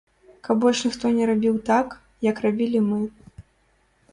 Каб больш ніхто не рабіў так, як рабілі мы.